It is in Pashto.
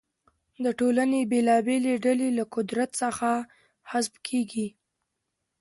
د ټولنې بېلابېلې ډلې له قدرت څخه حذف کیږي.